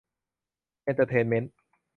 เอนเตอร์เทนเมนท์